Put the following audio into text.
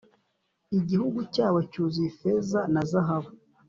Igihugu cyabo cyuzuye ifeza na zahabu